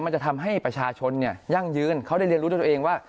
จะทำให้ประชาชนยั่งยืนเขาได้เรียนรู้ด้วยตัวเองว่า